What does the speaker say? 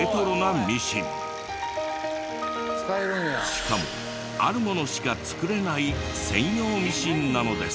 しかもあるものしか作れない専用ミシンなのです。